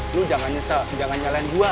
lu jangan nyesel jangan nyalain gua